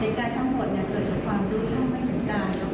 เหตุการณ์ทั้งหมดเกิดจากความรู้ชอบมันจากกาย